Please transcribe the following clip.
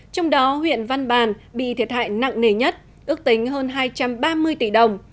trong đó huyện văn bàn bị thiệt hại nặng nề nhất ước tính hơn hai trăm ba mươi tỷ đồng